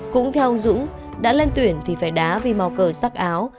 cũng theo ông dũng đã lên tuyển thì phải đá vì màu cờ sắc áo